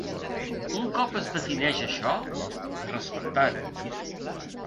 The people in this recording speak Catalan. I un cop es defineix això, respectar-ho.